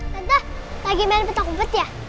tante lagi main putak umpet ya